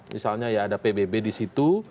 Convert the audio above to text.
misalnya ya ada pbb di situ